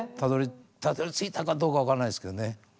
たどりついたかどうか分からないですけどね。